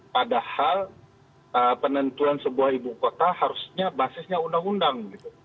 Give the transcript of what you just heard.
padahal penentuan sebuah ibu kota harusnya basisnya undang undang